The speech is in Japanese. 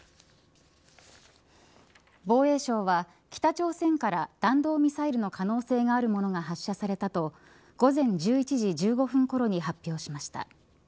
防衛省は北朝鮮から弾道ミサイルの可能性があるものが発射されたと午前１１時１５分ごろに発表しました。